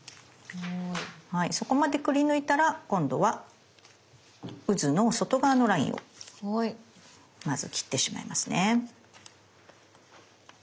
そこまでくりぬいたら今度はうずの外側のラインをまず切ってしまいますね。